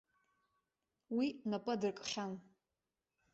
Уи напы адыркхьан.